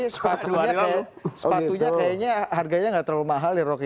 sepatunya kayaknya harganya tidak terlalu mahal